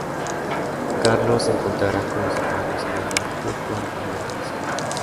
Carlos se encontrará con los hermanos en el bar justo antes del amanecer.